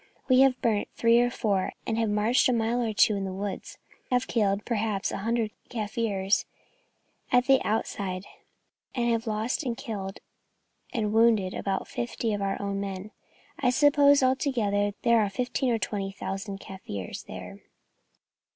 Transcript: We have burnt three or four, have marched a mile or two into the woods, have killed, perhaps, a hundred Kaffirs at the outside, and have lost in killed and wounded about fifty of our own men. I suppose, altogether, there are fifteen or twenty thousand Kaffirs there.